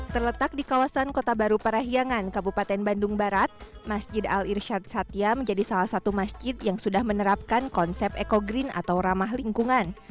terletak di kawasan kota baru parahyangan kabupaten bandung barat masjid al irshad satya menjadi salah satu masjid yang sudah menerapkan konsep eco green atau ramah lingkungan